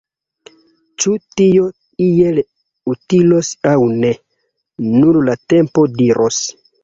Ĉu tio iel utilos aŭ ne, nur la tempo diros!